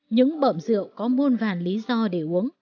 những bợm rượu có môn vàn lý do để uống